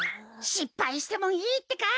しっぱいしてもいいってか！